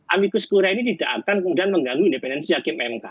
amikus korea ini tidak akan kemudian mengganggu independensi hakim mk